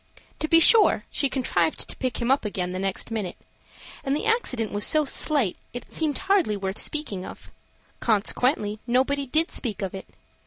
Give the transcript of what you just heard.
To be sure, she contrived to pick him up again the next minute; and the accident was so slight it seemed hardly worth speaking of. Consequently nobody did speak of it.